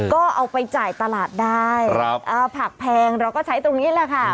ก็เอาไปจ่ายตลาดได้ผักแพงเราก็ใช้ตรงนี้แหละค่ะ